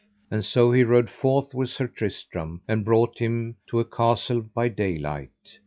And so he rode forth with Sir Tristram, and brought him to a castle by daylight.